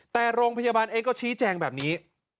แต่โรงพยาบาลเองก็ชี้แจงแบบนี้